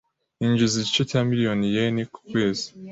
Yinjiza igice cya miliyoni yen ku kwezi .